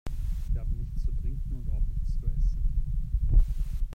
Wir haben nichts zu trinken und auch nichts zu essen.